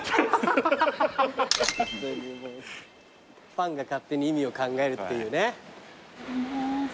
ファンが勝手に意味を考えるっていうね。